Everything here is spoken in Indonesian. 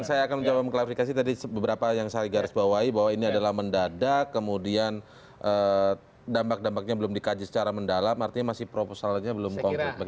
saya akan mencoba mengklarifikasi tadi beberapa yang saya garis bawahi bahwa ini adalah mendadak kemudian dampak dampaknya belum dikaji secara mendalam artinya masih proposalnya belum konkret